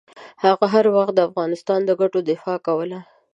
هغه هر وخت د افغانستان د ګټو دفاع کوله.